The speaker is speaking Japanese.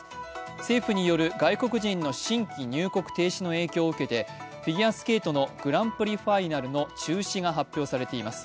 政府による外国人の新規入国停止の影響を受けてフィギュアスケートのグランプリファイナルの中止が発表されています。